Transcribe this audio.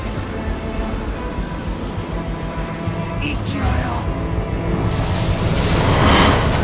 生きろよ